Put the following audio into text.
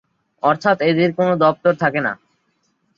অর্থাৎ এদের কোন দপ্তর থাকে না।